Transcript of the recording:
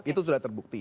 itu sudah terbukti